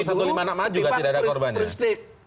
yang untuk satu lima anak maju tidak ada korbannya